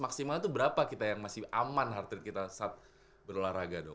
maksimal itu berapa kita yang masih aman heart rate kita saat berolahraga dok